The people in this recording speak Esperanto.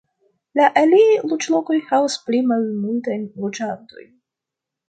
La aliaj loĝlokoj havas pli malmultajn loĝantojn.